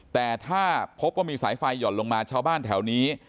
แต่ถ้าพบว่ามีสายไฟห่อนลงมาชาวบ้านแถวนี้